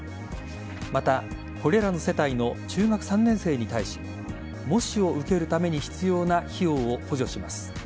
またこれらの世帯の中学３年生に対し模試を受けるために必要な費用を補助します。